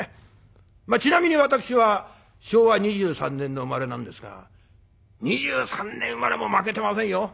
ちなみに私は昭和２３年の生まれなんですが２３年生まれも負けてませんよ。